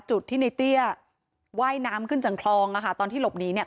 จุดที่ในเตี้ยว่ายน้ำขึ้นจากคลองอ่ะค่ะตอนที่หลบหนีเนี่ย